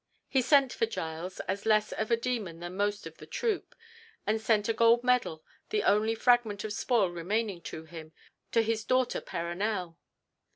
He sent for Giles, as less of a demon than most of the troop, and sent a gold medal, the only fragment of spoil remaining to him, to his daughter Perronel.